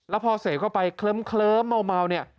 แล้วพอเสพเข้าไปเคลิ้มเมาเนี่ย